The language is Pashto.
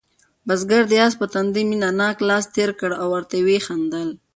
بزګر د آس په تندي مینه ناک لاس تېر کړ او ورته ویې خندل.